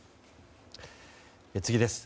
次です。